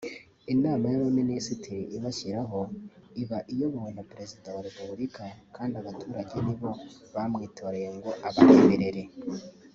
Inama y’Abaminisitiri ibashyiraho iba iyobowe na Perezida wa Repubulika kandi abaturage nibo bamwitoreye ngo abareberere